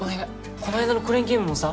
この間のクレーンゲームもさ